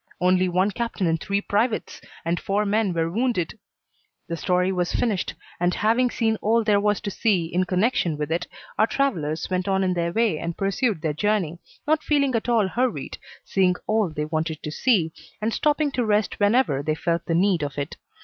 "Only one captain and three privates; and four men were wounded." The story was finished, and having seen all there was to see in connection with it, our travellers went on their way and pursued their journey, not feeling at all hurried, seeing all they wanted to see, and stopping to rest whenever they felt the need of it.